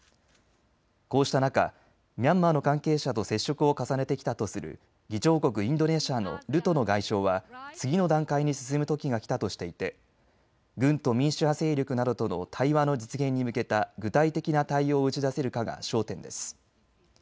こうした中、ミャンマーの関係者と接触を重ねてきたとする議長国インドネシアのルトノ外相は次の段階に進むときがきたとしていて、軍と民主派勢力などとの対話の実現に向けた具体的な対応を打ち出せるかが焦点です。